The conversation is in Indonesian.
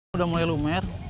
sudah mulai lumer